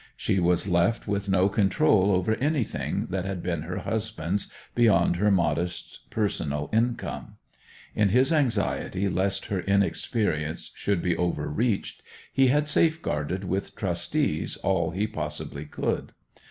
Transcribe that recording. She was left with no control over anything that had been her husband's beyond her modest personal income. In his anxiety lest her inexperience should be overreached he had safeguarded with trustees all he possibly could.